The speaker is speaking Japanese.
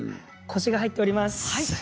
腰が入っております。